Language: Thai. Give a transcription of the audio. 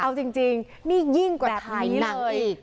เอาจริงนี่ยิ่งกว่าผีหนังอีก